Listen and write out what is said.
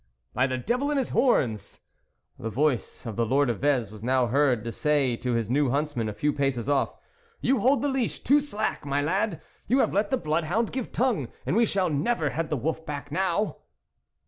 " By the devil and his horns !" the voice of the Lord of Vez was now heard to say to his new huntsman a few paces off, " you hold the leash too slack, my lad ; you have let the bloodhound give tongue, and we shall never head the wolf back now."